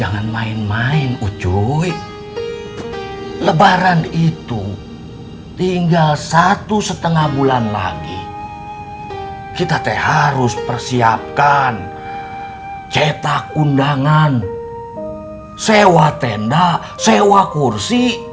game plus competition hadir kembali daftar sekarang juga hanya di vision plus